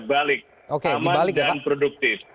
balik aman dan produktif